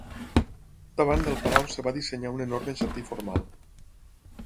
Davant del palau es va dissenyar un enorme jardí formal.